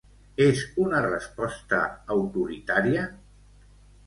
És una resposta autoritària?